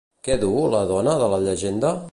Què duu la dona de la llegenda?